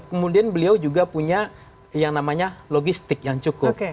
kemudian beliau juga punya yang namanya logistik yang cukup